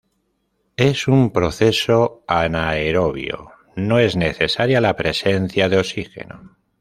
Es un proceso anaerobio, no es necesaria la presencia de oxígeno.